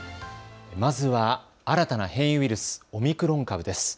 まずは新たな変異ウイルス、オミクロン株です。